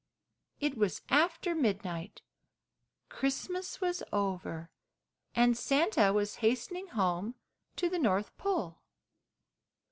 It was after midnight, Christmas was over, and Santa was hastening home to the North Pole.